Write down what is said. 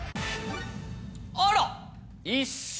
あら一緒。